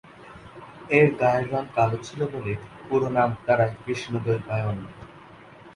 এঁর গায়ের রং কালো ছিল বলে, পুরো নাম দাঁড়ায় কৃষ্ণ-দ্বৈপায়ন।